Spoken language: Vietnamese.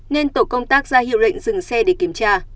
nên tổ công tác ra hiệu lệnh dừng xe để kiểm tra